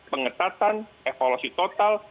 pengetatan evolusi total